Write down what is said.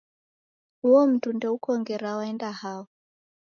Uo mundu ndeuko ngera waenda hao